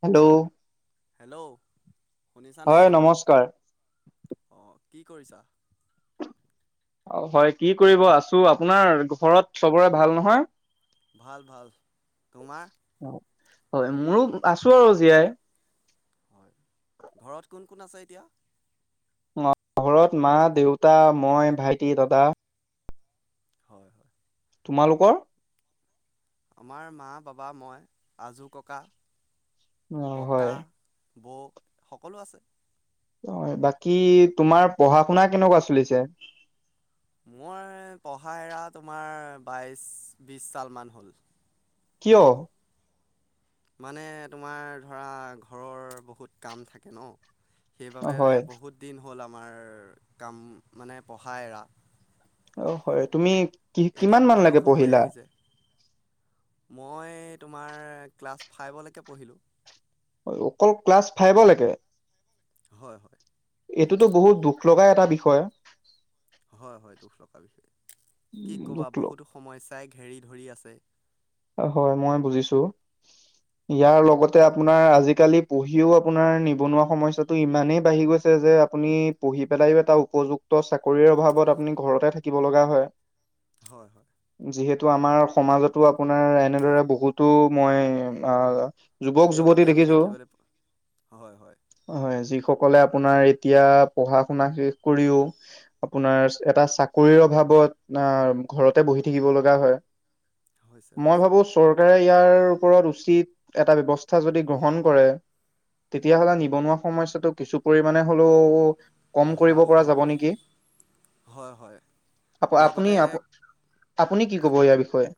Hello hello শুনিছানে? হয় নমস্কাৰ। অ কি কৰিছা? অ হয় কি কৰিব আছো, আপোনাৰ ঘৰত চবৰে ভাল নহয়? ভাল ভাল, তোমাৰ? হয়, মোৰো আছো আৰু জীয়াই। হয় ঘৰত কোন কোন আছে এতিয়া? ঘৰত মা দেউতা মই ভাইটি দাদা হয় হয়। তোমালোকৰ আমাৰ মা, বাবা, মই, আজো ককা অ ককা হয়। বৌ সকলো আছে অ বাকী তোমাৰ পঢ়া শুনা কেনেকুৱা চলিছে? মই কহা এৰা তোমাৰ বাইশ বিশ চাল মমান হ'ল কিয়? মানে তোমাৰ ধৰা ঘৰৰ বহুত কাম থাকে ন, অ সেইবাবে হয় বহুত দিন হ'ল আমাৰ কাম মানে পঢ়া এৰা। অ হয় তুমি কি এতিয়া কিমান মান লৈকে বয়সো হৈ পঢ়িলা? আহিছে, মই তোমাৰ ক্লাছ ফাইভলৈকে পঢ়িলোঁ। অকল ক্লাছ ফাইভলৈকে? হয় হয়। এইটোতো বহুত দুখ লগাই এটা বিষয়। হয় হয় দুখ লগাৰ বিষয়ে। কি দুখ কবা বহুতো সময় চাইক হেৰি ধৰি আছে। হয় মই বুজিছো। ইয়াৰ লগতে আপোনাৰ আজিকালি পঢ়িও আপোনাৰ নিবনুৱা সমস্যটো ইমানেই বাঢ়ি গৈছে যে যে আপুনি পঢ়ি পেলাই এটা উপযুক্ত চাকৰিৰ অভাৱত আপুনি ঘৰতে থাকিব লগা হয়। হয় হয়। টো আমাৰ সমাজতো আপোনাৰ এনেদৰে বহুতো মই অ যুৱক যুৱতী ব্যক্তি আমি দেখিছো, দেখিবলৈ প- হয় হয় হয় যি সকলে আপোনাৰ এতিয়া পঢ়া শুনা শেষ কৰিও, আপোনাৰ এটা চাকৰিৰ অভাৱ। ঘৰতে বহি থাকিব লগা হয়। হৈছে মই হৈছে ভাবো চৰকাৰে ইয়াৰ ওপৰত উচিত এটা ব্যৱস্থা যদি গ্ৰহণ কৰে তেতিয়াহলে নিবনুৱা সমস্যাটো কিছু পৰিমানে হ'লেও- কম কৰিব হ্ৰাস পৰা হ'ব যাব নেকি হয় হয় আ আপুনি লগতে আ আপুনি কি কব ইয়াৰ বিষয়ে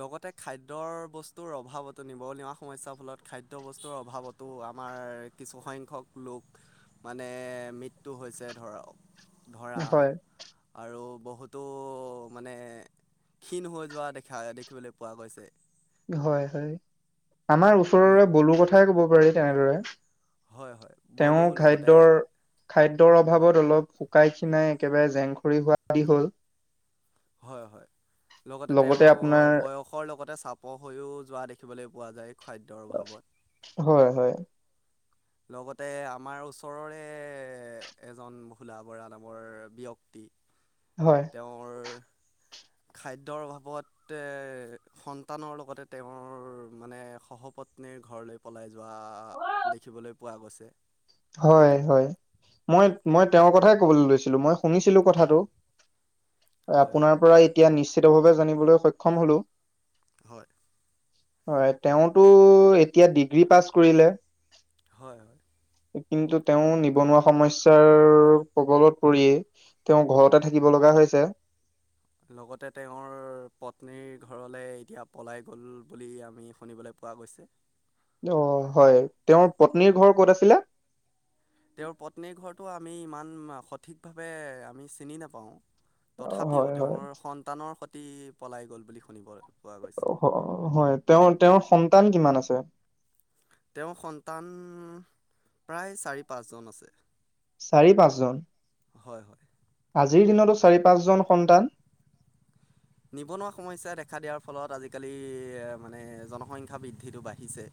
লগতে খাদ্যৰ বস্তুৰ অভাৱতো নিবনুৱা সমস্যাৰ ফলত খাদ্যয় বস্তুৰ অভাৱতো- আমাৰ কিছুসংখ্যক লোক মানে মৃত্যু হৈছে ধৰক ধৰা হয়, আৰু বহুতো মানে ক্ষীণ হৈ যোৱা দেখা দেখিবলৈ পোৱা গৈছে। হয় হয় আমাৰ ব ওচৰৰে বলো কথাই কব পাৰি তেনেদৰে হয় হয় তেওঁ বলো লগতে খাদ্যৰ খাদ্যৰ অভাৱত অলপু শুকাই খিনাই একেবাৰে জেংখৰি হোৱা দি হ'ল হয় হয় লগতে তেওঁ বয়সৰ লগতে চ প হৈও যোৱা দেখিবলৈ পোৱা যায়। খাদ্যৰ অভাৱত। হয় হয় লগতে আমাৰ ওচৰৰে এজন ভোলা বৰা নামৰ ব্যক্তি [unintelligible] তেওঁৰ [unintelligible] খাদ্যৰ অভাৱত এ সন্তানৰ লগতে তেওঁৰ মানে ঘৰলৈ পলাই যোৱা দেখিবলৈ পোৱা গৈছে। হয় হয় মই মই তেওঁৰ কথাই কবলৈ লৈছিলো মই শুনিছিলো কথাটো। হয় হয় আপোনাৰ পৰা এতিয়া নিশ্চিতভাৱে জানিবলৈ সক্ষম হলো হয় হয় তেওঁতো এতিয়া ডিগ্ৰী পাছ কৰিলে হয় হয় কিন্তু তেওঁ নিবনুৱা সমস্যাৰ প্ৰবলত পৰিয়েই তেওঁৰ ঘৰতে থাকিব লগা হৈছে। লগতে তেওঁৰ পত্নীৰ ঘৰলে এতিয়া পলাই গ'ল বুলি আমি শুনিবলৈ- পোৱা গৈছে অ হয় তেওঁৰ পত্নীৰ ঘৰ ক'ত আছিলে। তেওঁৰ পত্নীৰ ঘৰটো আমি ইমান সঠিক ভাৱে আমি চিনি নাপাওঁ। অ তথাপিও হয় হয় তেওঁৰ সন্তানৰ সতি পলাই গল বুলি শুনিব। পোৱা গৈছে। হয় তেওঁ তেওঁৰ সন্তান কিমান আছে? তেওঁৰ সন্তান প্ৰায় চাৰি পাঁচজন আছে চাৰি পাঁচজন হয় হয়। আজিৰ দিনতো চাৰি পাঁচজন সন্তান। নিবনুৱা সমস্যা দেখা দিয়াৰ ফলত আজিকালি মানে জনসংখ্যা বৃদ্ধিটো বাঢ়িছে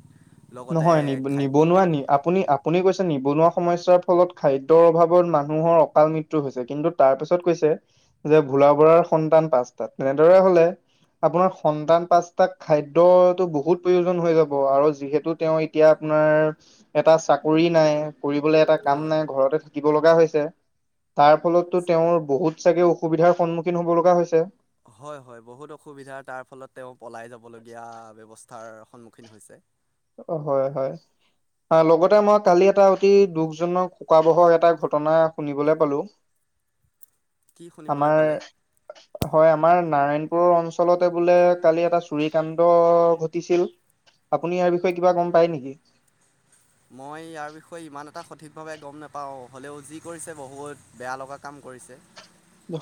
লগতে নহয় নি খাই নিবনুৱা নি আপুনি আপুনি কৈছে নিবনুৱা সমস্যাৰ ফলত খাদ্যৰ অভাৱত মানুহৰ অকাল মৃত্যু হৈছে কিন্তু তাৰ পিছত কৈছে যে। গাঁও বঢ়াৰ সন্তান পাঁচটাত তেনেদৰে হ'লে- আপোনাৰ সন্তান পাঁচতাক খাদ্যতো বহুত প্ৰয়োজন হৈ যাব আৰু যিহেতু তেওঁ এতিয়া আপোনাৰ এটা চাকৰি নাই কৰিবলে এটা কাম হয় নাই হয়। ঘৰতে থাকিব লগা হৈছে তাৰ ফলতো তেওঁৰ বহুত চাগে অসুবিধাৰ সন্মুখীন হব লগা হৈছে। হয় হয় বহুত অসুবিধাৰ তাৰ ফলত তেওঁ পলাই যাবলগীয়া ব্যৱস্থাৰ সন্মুখীন হৈছে। অ হয় হয়। লগতে মই কালি এটা অতি দুখজনক শোকাবহৰ এটা ঘটনা শুনিবলৈ পালো কি শুনিবলৈ আমাৰ পালে? হয় আমাৰ- নাৰায়ণপুৰৰ অঞ্চলতে বোলে কালি এটা চুৰিকাণ্ড ঘটিছিল আপুনি ইয়াৰ বিষয়ে কিবা গম পাই নেকি মই ইয়াৰ বিষয়ে ইমান এটা সঠিকভাৱে গম নাপাওঁ হ'লেও যি কৰিছে বহুত বেয়া লগা কাম কৰিছে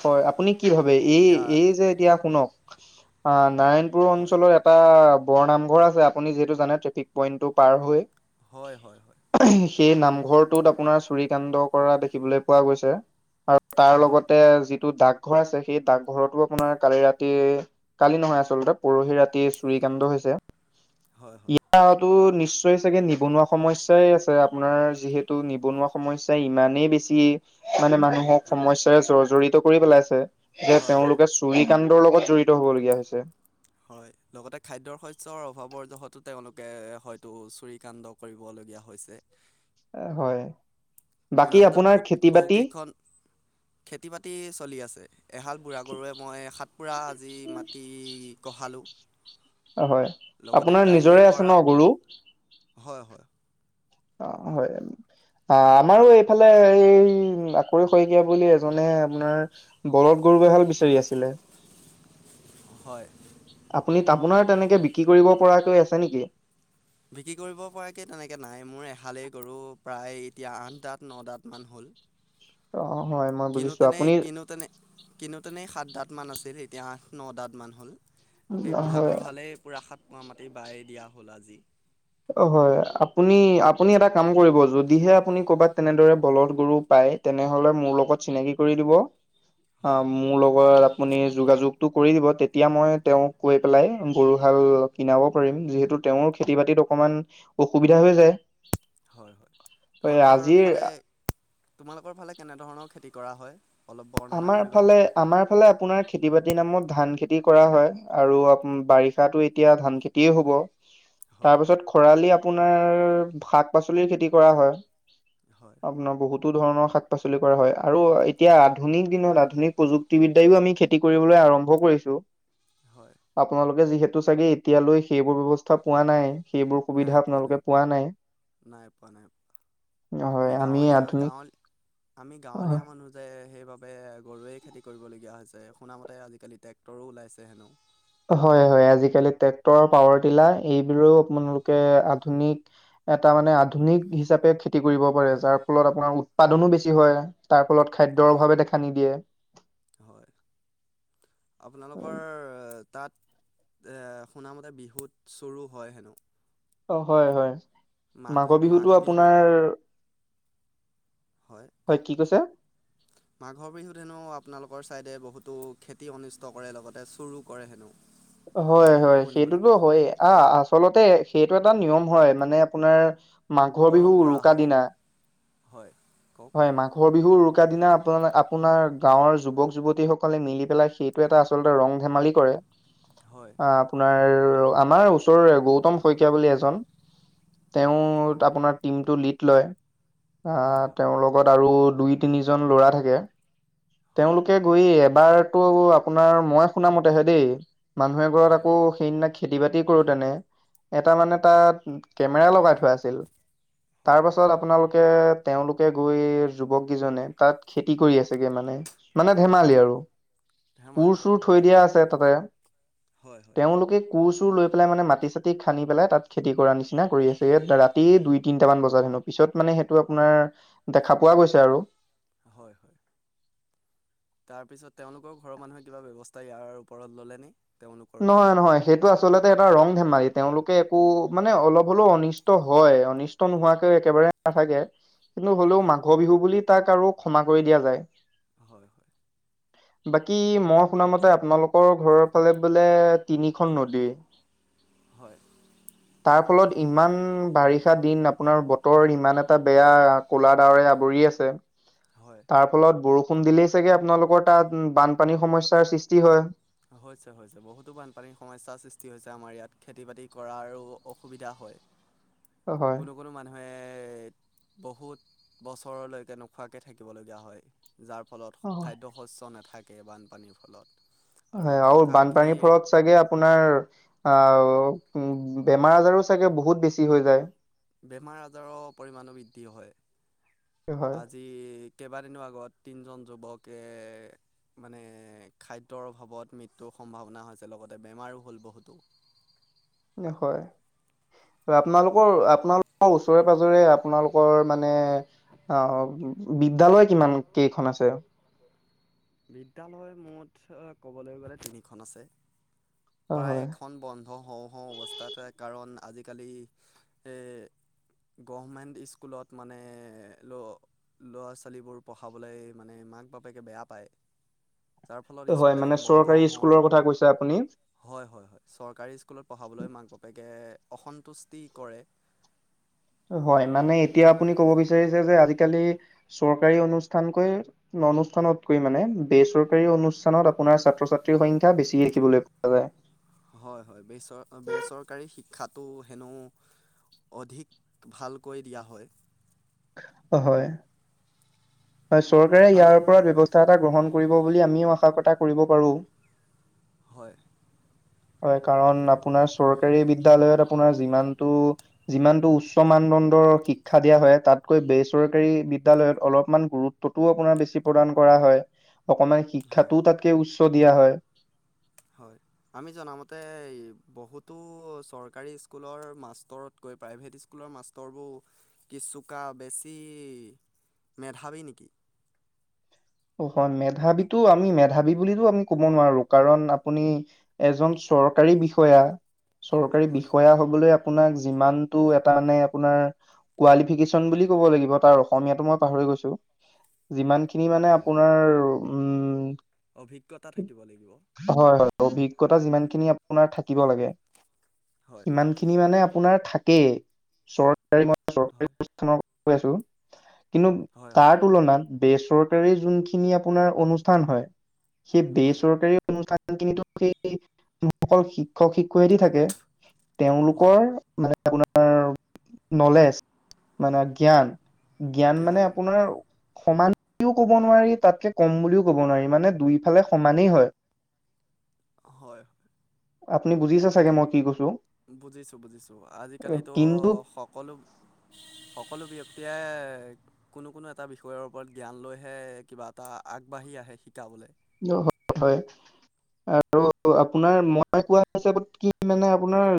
হয় আপুনি কি ভাবে এই ইয়াৰ এই যে এতিয়া শুনক আ নাৰায়ণপুৰ হয় অঞ্চলৰ এটা বৰ নামঘৰ আছে আপুনি যিহেতু জানে ট্ৰেফিক পইন্টটো পাৰ হৈ হয় হয় হয়। সেই নামঘৰটোত আপোনাৰ চুৰি কাণ্ড কৰা দেখিবলৈ পোৱা গৈছে আৰু তাৰ হয় লগত। যিটো ডাকঘৰ আছে সেই ডাকঘৰতো আপোনাৰ কালি ৰাতি কালি নহয় আচলতে পৰহি ৰাতি। চুৰিকাণ্ড হৈছে হয় হয় ইয়াৰো নিশ্চয় চাগে নিবনুৱা সমস্যাই আছে। আপোনাৰ যিহেতু নিবনুৱা সমস্যা ইমানেই বেছি মানে মানুহক সমস্যা জড়িত কৰি পেলাইছে যে হয় হয় তেওঁলোকে চুৰি কাণ্ডৰ লগত জড়িত হবলগীয়া হৈছে। হয় লগতে খাদ্যয়ৰ শস্যৰ অভাৱৰ যতো তেওঁলোকে হয়তো চুৰি কাণ্ড কৰিব ল। বিয়া হৈছে। হয় বাকী শুনামতে আপোনাৰ বহুত খেতি বাতি? বহুকেইখন খেতি বাতি চলি আছে এহাল বুঢ়া গৰুৱে মই হাত পোৰা আজি মাটি পঢ়ালোঁ। হয় আপোনাৰ কাইলৈৰ নিজৰে আছে পৰা ন গৰু? হয় হয়। অঁ হয়। অ আমাৰো এইফালে এই অতুল শইকীয়া বুলি এজনে আপোনাৰ বলদ বিচাৰি আছিলে। হয়। আপুনি আপোনাৰ তেনেকে বিক্ৰী কৰিব পৰাকৈ আছে নেকি? বিক্ৰী কৰিব পৰাকে তেনেকে নাই মোৰ এহালেই গৰু প্ৰায় এতিয়া আঠ দাত ন দাত। মান হ'ল। অঁ। কিনোতেনেই কিনোতেনে কিনোতেনেই সাত দাত মান আছিল এতিয়া আঠ ন দাত মান হ'ল। এই হয় বুঢ়াগৰুহালেই পুৰা সাত পোৱা মাটি বাই দিয়া হল আজি। অ হয় আপুনি আপুনি এটা কাম কৰিব। যদিহে আপুনি কৰ'বাত তেনেদৰে বলধ গৰু পায়। সেই তেনে হ'লে মোৰ লগত চিনাকি কৰি দিব অ হয় হয় মোৰ লগৰ আপুনি যোগাযোগটো কৰি দিব তেতিয়া মই তেওঁক কৈ পেলাই গৰু হাল কিনাব পাৰিম যিহেতু, তেওঁৰ খেতি বাতিত অকমান অসুবিধা হৈ যায়। হয় হয়! হয় তোমালোকৰ আজিৰ ফালে তোমালোকৰ ফালে কেনেধৰণৰ খেতি কৰা হয়? অলপ বৰ্ণনা আমাৰ কৰিবা ফালে আমাৰ ফালে আপোনাৰ খেতি বাতিৰ নামত ধান খেতি কৰা হয় আৰু আপ বাৰিষা এতিয়া ধান খেতিয়ে হ'ব। হয় তাৰপিছত খৰালি আপোনাৰ শাক পাচলিৰ খেতি কৰা হয়। হয় আপোনাৰ বহুতো ধৰণৰ শাক-পাচলি কৰা হয় আৰু এতিয়া আধুনিক দিনত আধুনিক প্ৰযুক্তিবিদ্যাও আমি খেতি কৰিবলৈ আৰম্ভ কৰিছো। হয় আপোনালোকে যিহেতু চাগে এতিয়ালৈ সেইবোৰ ব্যৱস্থা পোৱা নাই? সেইবোৰ সুবিধা আপোনালোকে পোৱা নাই? নাই পোৱা নাই আমি হয় গাঁৱলীয়া আধুনিক গাঁৱল আমি গাঁৱলীয়া মানুহ যে সেই, বাবে গৰুৱে খেতি কৰিব লগীয়া হৈছে শুনা মতে আজিকালি ট্ৰেক্টৰো ওলাইছে হেনো? হয় হয় আজিকালি ট্ৰেক্টৰ পাৱাৰ টিলাৰ এইবিলৰেও আপোনালোকে আধুনিক এটা মানে আধুনিক হিচাপে খেতি কৰিব পাৰে যাৰ ফলত আপোনাৰ উৎপাদনো বেছি হয় তাৰ- ফলত খাদ্যৰ হয় অভাৱে দেখা নিদিয়ে। হয় আপোনালোকৰ? তাত এ শুনামতে বিহুত চুৰোঁ হয় হেনো? অ হয় হয় মাঘ মাঘৰ মাঘ বিহুতটো বিহুত আপোনাৰ- হয় কওক কি কৈছে মাঘৰ বিহুত হেনো আপোনালোক- কৰ ছাইদে বহুতো খেতি অনিষ্ট কৰে, লগতে চুৰো কৰে হেনো? হয় হয় শুনিবলৈ সেইটোতো পোৱা হয়, মতে আহ আচলতে সেইটো এটা নিয়ম। হয় মানে আপোনাৰ- মাঘৰ বিহু পৰম্পৰা উৰুকা হয় দিনা, হয় কওক হয় মাঘৰ বিহু- কা দিনা আপোন আপোনাৰ গাঁৱৰ যুৱক যুৱতী সকলে মিলি পেলাই সেইটো এটা আচলতে ৰং ধেমালি কৰে। হয় অঁ, আপোনাৰ আমাৰ ওচৰ গৌতম শইকীয়া বুলি এজন। তেওঁ আপোনাৰ টিমটো লিড লয়। আহ হয় তেওঁৰ লগত আৰু দুই তিনিজন ল'ৰা থাকে। হয় তেওঁলোকে গৈ, এবাৰতো আপোনাৰ মই শুনামতেহে দেই মানুহে হয় ঘৰত হয় আকৌ সেইদিনা খেতি বাতি কৰোতেনে। এটা মানে তাত কেমেৰা লগাই থোৱা আছিল। তাৰ হয় হয় পাছত আপোনালোকে- তেওঁলোকে গৈ যুৱক কেইজনে তাত খেতি কৰি আছেগে মানে। মানে ধেমালি আৰু, কোৰ ধেমালি আৰু চোৰ থৈ হয় দিয়া আছে তাতে। হয় হয় তেওঁলোকে কুৰ চুৰ লৈ পেলাই মানে মাটি চাতি খান্দি পেলাই তা'ত খেতি কৰা নিচিনা কৰি আছে ৰাতি দুই তিনটা মান বজাত। পিছত মানে সেইটো আপোনাৰ দেখা পোৱা গৈছে আৰু। হয় হয় তাৰ পিছত তেওঁলোকৰ ঘৰৰ মানুহে কিবা ব্যৱস্থা ইয়াৰ ওপৰত ললে ন? নহয় নহয় সেইটো আচলতে এটা ৰং ধেমালিত। তেওঁলোকে একো মানে অলপ হলেও অনিষ্ট হয় অনিষ্ট নোহোৱাকৈ একেবাৰে নাথাকে। কিন্তু হ'লেও হয় মাঘ বিহু বুলি তাক আৰু ক্ষমা কৰি দিয়া যায়। হয় হয়। বাকী মই শুনা মতে আপোনালোকৰ ঘৰৰ ফালে বোলে তিনিখন নদী। হয়। তাৰ ফলত ইমান বাৰিষা দিন আপোনাৰ বতৰ ইমান এটা বেয়া কুলা দাৱৰে আৱৰি- কৰি আছে। হয় তাৰ ফলত বৰষুণ দিলেই চাগে আপোনালোকৰ তাত বানপানীৰ সমস্যাৰ সৃষ্টি হয়। হৈছে হৈছে বহুতো বানপানীৰ সমস্যয়াৰ সৃষ্টি হৈছে আমাৰ ইয়াত, খেতি বাতি কৰাৰো অসুবিধা হয়। [unintelligible] হয় কোনো কোনো মানুহে- বহুত বছৰলৈকে নোখোৱাকে থাকিবলগীয়া হয়। যাৰ ফলত অ খাদ্য শস্য নাথাকে বানপানীৰ ফলত। হয় আৰু বানপানীৰ ফৰত চাগে আপোনাৰ আও বেমাৰ আজাৰো চাগে বহুত বেছি হৈ যায়। বেমাৰ আজাৰৰ পৰিমাণো বৃদ্ধি হয়। হয় আজি কেইবাদিনো আগত তিনজন। যুৱকে মানে খাদ্যৰ অভাৱত মৃত্যুৰ সম্ভাৱনা হৈছে, লগতে বেমাৰ আৰু হ'ল বহুতো। ন হয় আপোনালোকৰ আপোনালোকৰ ওচৰে পাজৰে আপোনালোকৰ মানে অ- বিদ্যালয় কিমান কেইখন আছে? বিদ্যালয় মুঠ ক'বলৈ গ'লে তিনিখন আছে। প্ৰায় হয় এখন বন্ধ হওঁ হওঁ অৱস্থাতে কাৰণ আজিকালি সে- গভমেণ্ট স্কুলত মানে ল ল'ৰা ছোৱালীবোৰ পঢ়াবলৈ মানে- মাক বাপেকে বেয়া পায়। যাৰ ফলত হয় স্কুল মানে এখন বন্ধ চৰকাৰী হওঁ স্কুলৰ কথা কৈছে আপু হয় হয় হয়, চৰকাৰী স্কুলত পঢ়াবলৈ মাক বাপেকে অসন্তুষ্টি কৰে। হয় মানে এতিয়া আপুনি কব বিচাৰিছে যে আজিকালি চৰকাৰী অনুষ্ঠানকৈ অনুষ্ঠানতকৈ মানে বেচৰকাৰী অনুষ্ঠানত আপোনাৰ ছাত্ৰ ছাত্ৰ সংখ্যা বেছি দেখিবলৈ পোৱা যায়। হয় হয় বেচৰ বেচৰকাৰী শিক্ষাত। টো হেনো অধিক ভালকৈ দিয়া হয়। অ হয়। হয় চৰকাৰে আমি ইয়াৰ ওপৰত ব্যৱস্থা এটা গ্ৰহণ কৰিব বুলি আমিও আশা কৰ্তা কৰিব পাৰোঁ। হয়। [inaudible] হয় কাৰণ আপোনাৰ চৰকাৰী বিদ্যালয়ত আপোনাৰ যিমানটো যিমানটো উচ্চ মানদণ্ডৰ শিক্ষা দিয়া হয়, তাতকৈ বেচৰকাৰী বিদ্যালয়ত অলপমান। গুৰুত্বটোও আপোনাৰ বেছি প্ৰদান কৰা হয়। অকণমান হয় শিক্ষাটো তাতকে উচ্চ- দিয়া হয়। হয় আমি জনামতে বহুতো চৰকাৰী স্কুলৰ মাষ্টৰতকৈ- প্ৰাইভেট স্কুলৰ মাষ্টৰবোৰ কিছুকাল বেছি মেধাৱী নেকি? অ হয় মেধাবীো আমি মেধাবী ব আমি ক'ব নোৱাৰো, কাৰণ আপুনি এজন চৰকাৰী বিষয়া, চৰকাৰী হয় বিষয়া হবলৈ আপোনাক যিমানতটো এটা নে আপোনাৰ কোৱাইলিফিকেচন বুলি ক'ব লাগিব তাৰ অসমীয়াটো মই পাহৰি গৈছোঁ। হয় আপোনাৰ- অভিজ্ঞতা থাকিব লাগিব হয় হয় অভিজ্ঞতা যিমান খিনি আপোনাৰ থাকে। শিকিব লাগে, হয় ইমান খিনি মানে আপোনাৰ থাকেই, চৰকাৰি মই চৰকাৰি হয় অনুষ্ঠানৰ কথা কৈ আছোঁ। কিন্তু হয় হয় তাৰ তুলনাত বেচৰকাৰী যোনখিনি আপোনাৰ অনুষ্ঠান হয়। সেই হয় বেচৰকাৰী অনুষ্ঠান সেইসকল শিক্ষক শিক্ষয়ত্ৰী‌ থাকে। হয় তেওঁলোকৰ মানে- আপোনাৰ নলেজ মানে জ্ঞান। জ্ঞান মানে আপোনাৰ সমান কেওঁ ক'ব নোৱাৰি। তাকে কম বুলি ক'ব নোৱাৰি মানে দুই ফালে সমানে হয়। হয়। আপুনি বুজিছে চাগে, মই কি কৈছো? বুজিছো বুজিছো আজিকালিতো কিন্তু সকলো সকলো- এতিয়া কোনো কোনো এটা বিষয়ৰ ওপৰত জ্ঞান লৈহে কিবা এটা আগবাঢ়ি আহে শিকাবলে। অ হয় আৰু আপোনাৰ মই কোৱা হিচাপত কি মানে আপোনাৰ-